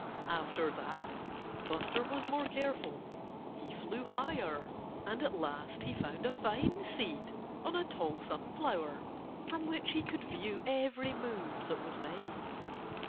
After that Buster was more careful. He flew higher. And at last he found a fine seat on a tall sunflower, from which he could view every move that was made.